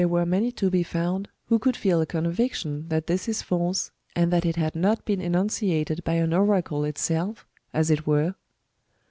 187 many to be found, who could feel a conviction that this is false, and that it had not been enunciated by an oracle itself, as it were